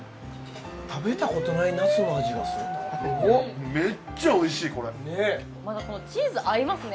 食べたことないナスの味がするチーズ合いますね